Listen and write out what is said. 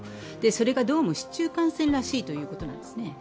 それがどうも市中感染らしいということなんですね。